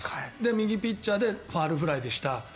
右ピッチャーでファウルフライでした。